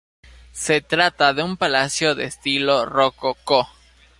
Se trata de un palacio de estilo rococó.